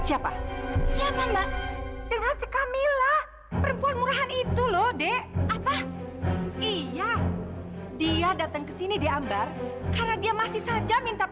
sampai jumpa di video selanjutnya